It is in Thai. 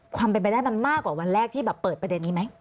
ความเป็นไปได้มันมากกว่าวันแรกที่แบบเปิดประเด็นนี้ไหม